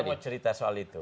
saya mau cerita soal itu